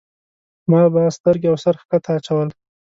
ما به سترګې او سر ښکته اچول.